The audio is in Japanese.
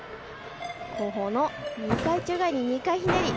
後方の２回宙返り２回ひねり。